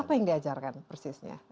apa yang diajarkan persisnya